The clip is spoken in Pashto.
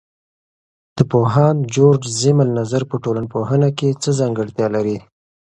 د پوهاند جورج زیمل نظر په ټولنپوهنه کې څه ځانګړتیا لري؟